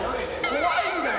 怖いんだよ。